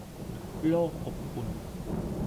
โลกอบอุ่น